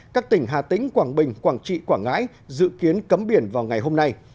các tỉnh hà tĩnh quảng bình quảng trị quảng ngãi dự kiến cấm biển vào ngày hôm nay